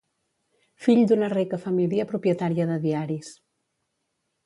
Fill d'una rica família propietària de diaris.